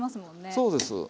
そうです。